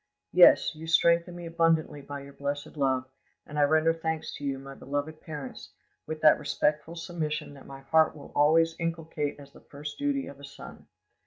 Yes, you strengthen me abundantly by your blessed love, and I render thanks to you, my beloved parents, with that respectful submission that my heart will always inculcate as the first duty of a son.